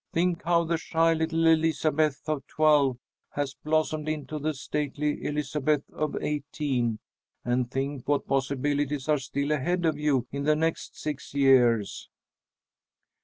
Think how the shy little Elizabeth of twelve has blossomed into the stately Elizabeth of eighteen, and think what possibilities are still ahead of you in the next six years."